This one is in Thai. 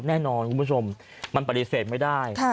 แน่นอนคุณผู้ชมมันปฏิเสธไม่ได้